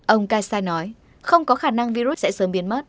ông kassai nói không có khả năng virus sẽ sớm biến mất